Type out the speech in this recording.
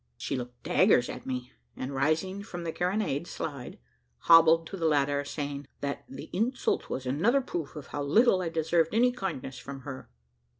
She looked daggers at me, and rising from the carronade slide, hobbled to the ladder, saying, that `the insult was another proof of how little I deserved any kindness from her.'